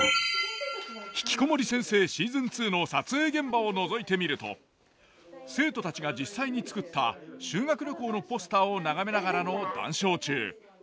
「ひきこもり先生」シーズン２の撮影現場をのぞいてみると生徒たちが実際に作った修学旅行のポスターを眺めながらの談笑中。